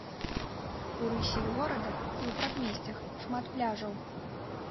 У рысе горада і ў прадмесцях шмат пляжаў.